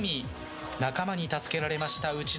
仲間に助けられました、内田。